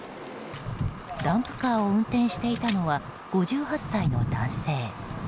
ダンプカーを運転していたのは５８歳の男性。